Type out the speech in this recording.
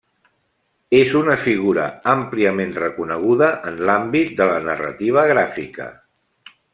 És una figura àmpliament reconeguda en l'àmbit de la narrativa gràfica.